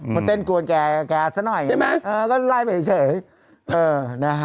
มันเต้นกวนแกแกสักหน่อยเออก็ไล่ไปเฉยนะฮะ